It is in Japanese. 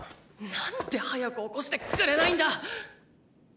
何で早く起こしてくれないんだ！！